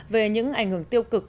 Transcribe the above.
về những ảnh hưởng tiêu cực